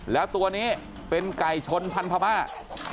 และตัวนี้เป็นไก่ชนพันธุ์ภาพ